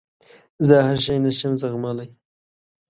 زه هر شی نه شم زغملای.